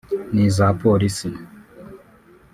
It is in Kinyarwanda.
n’iza polisi